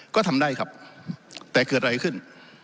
ก็ทำได้ครับแต่เกิดอะไรขึ้น